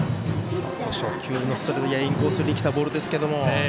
初球のストレートインコースにきたボールでしたが。